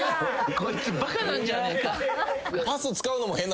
こいつバカなんじゃねえか。